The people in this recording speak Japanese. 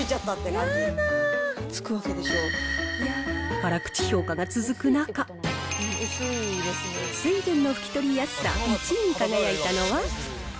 辛口評価が続く中、水分の拭き取りやすさ１位に輝いたのは。